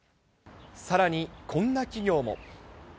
さらに、こんな企業も。